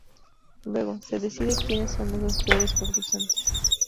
Luego, se decide quienes son las dos peores concursantes.